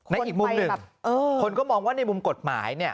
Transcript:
อีกมุมหนึ่งคนก็มองว่าในมุมกฎหมายเนี่ย